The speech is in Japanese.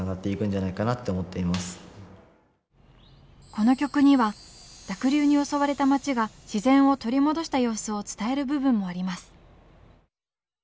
この曲には濁流に襲われた町が自然を取り戻した様子を伝える部分もあります。